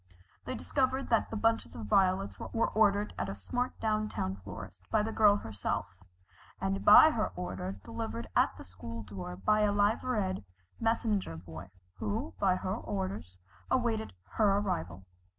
They discovered that the bunches of violets were ordered at a smart down town florist by the girl herself, and by her order delivered at the school door by a liveried messenger boy, who, by her orders, awaited her arrival.